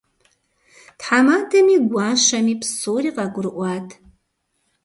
Тхьэмадэми гуащэми псори къагурыӏуат.